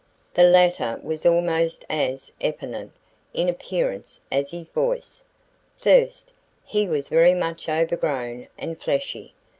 The latter was almost as effeminate in appearance as in voice. First, he was very much overgrown and fleshy.